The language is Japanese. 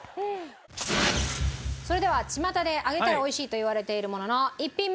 それではちまたで揚げたら美味しいといわれているものの１品目。